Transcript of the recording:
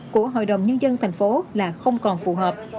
hai mươi một của hội đồng nhân dân thành phố là không còn phù hợp